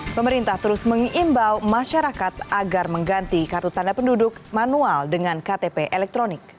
pemerintah terus mengimbau masyarakat agar mengganti kartu tanda penduduk manual dengan ktp elektronik